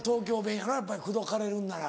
やっぱり口説かれるんなら。